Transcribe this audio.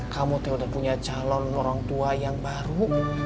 kamu tuh udah punya calon orang tua yang baru